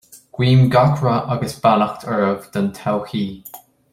Guím gach rath agus beannacht oraibh don todhchaí